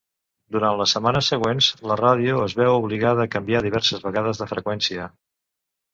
Durant les setmanes següents, la ràdio es veu obligada a canviar diverses vegades de freqüència.